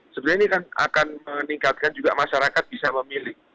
sebenarnya ini kan akan meningkatkan juga masyarakat bisa memilih